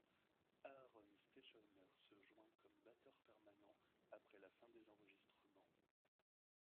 Aaron Stechauner se joint comme batteur permanent après la fin des enregistrements.